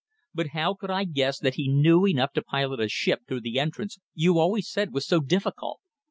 But how could I guess that he knew enough to pilot a ship through the entrance you always said was so difficult.